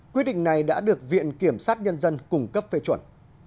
quyết định này đã được viện kiểm sát nhân dân cung cấp phê chuẩn